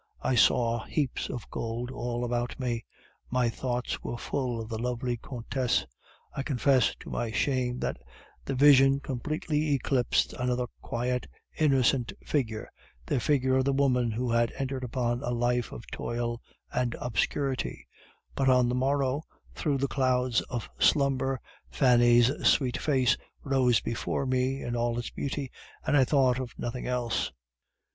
I saw heaps of gold all about me. My thoughts were full of the lovely Countess; I confess, to my shame, that the vision completely eclipsed another quiet, innocent figure, the figure of the woman who had entered upon a life of toil and obscurity; but on the morrow, through the clouds of slumber, Fanny's sweet face rose before me in all its beauty, and I thought of nothing else."